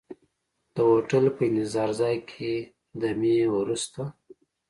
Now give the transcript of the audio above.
د هوټل په انتظار ځای کې دمې وروسته.